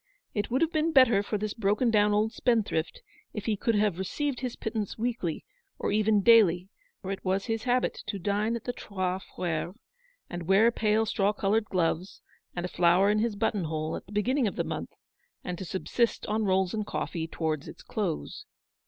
It would have been better for this broken down old spendthrift if he could have received his pittance weekly, or even daily ; for it was his habit to dine at the Trois Freres, and wear pale straw coloured gloves, and a flower in his button hole, at the beginning of the month, and to subsist on rolls and coffee towards its close.